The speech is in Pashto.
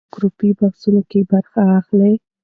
ایا ته په ګروپي بحثونو کې برخه اخلې؟